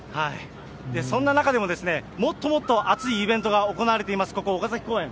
そんな中でも、もっともっとあついイベントが行われています、ここ、岡崎公園。